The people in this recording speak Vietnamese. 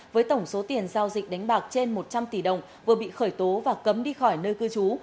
với tổng số tiền giao dịch đánh bạc trên một trăm linh tỷ đồng vừa bị khởi tố và cấm đi khỏi nơi cư trú